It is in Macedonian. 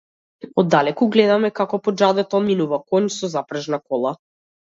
Оддалеку гледаме како по џадето минува коњ со запрежна кола.